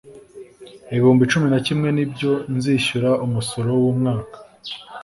ibihumbi cumi na kimwe nibyo nzishyura umusoro w’ umwaka